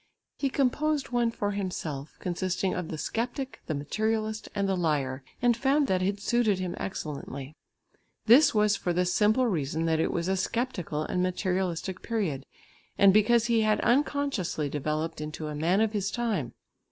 He composed one for himself, consisting of the sceptic, the materialist and the liar, and found that it suited him excellently. This was for the simple reason that it was a sceptical and materialistic period, and because he had unconsciously developed into a man of his time.